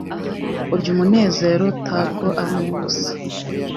urya umunezero tabwo aruwubusa